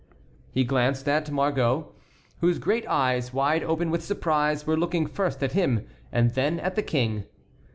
He glanced at Margot, whose great eyes, wide open with surprise, were looking first at him and then at the King.